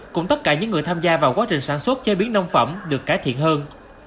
cũng tất cả những người tham gia vào quá trình sản xuất chế biến nông phẩm được cải thiện hơn